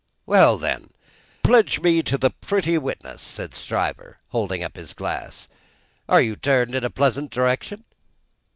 "Well then! Pledge me to the pretty witness," said Stryver, holding up his glass. "Are you turned in a pleasant direction?"